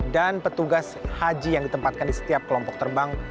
dan petugas haji yang ditempatkan di setiap kelompok terbang